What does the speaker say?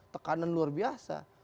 tekanan luar biasa